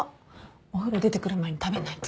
お風呂出てくる前に食べないと。